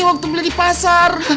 waktu beli di pasar